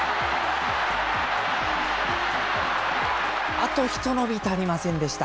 あと一伸び足りませんでした。